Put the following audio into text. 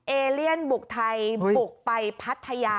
เอเลียนบุกไทยบุกไปพัทยา